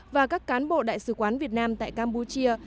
và các cán bộ đại sứ quán việt nam tại campuchia